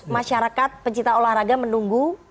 masyarakat pencipta olahraga menunggu